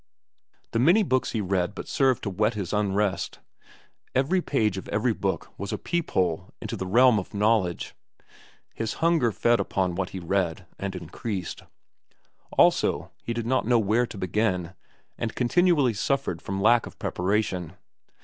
The many books he read but served to whet his unrest. Every page of every book was a peep hole into the realm of knowledge. His hunger fed upon what he read, and increased. Also, he did not know where to begin, and continually suffered from lack of preparation.